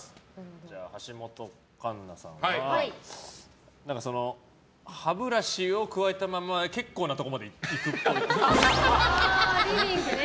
じゃあ、橋本環奈さんは歯ブラシをくわえたまま結構なところまで行くっぽい。